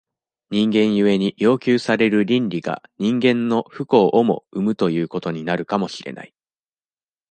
人間故に要求される倫理が、人間の不幸をも生むということになるかもしれない。